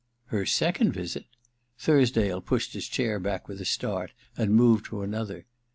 * Her second visit ?' Thursdale pushed his chair back with a start and moved to another.